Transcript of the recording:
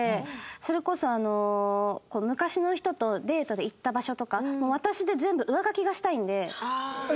それこそ昔の人とデートで行った場所とか私で全部上書きがしたいんで。